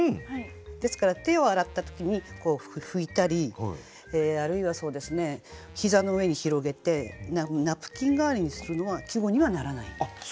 ですから手を洗った時に拭いたりあるいは膝の上に広げてナプキン代わりにするのは季語にはならない。